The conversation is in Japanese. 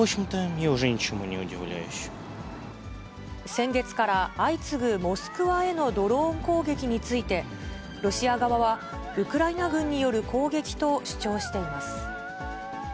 先月から相次ぐモスクワへのドローン攻撃について、ロシア側は、ウクライナ軍による攻撃と主張しています。